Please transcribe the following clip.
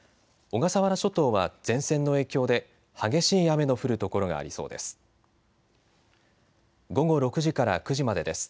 小笠原諸島は前線の影響で激しい雨の降る所がありそうです。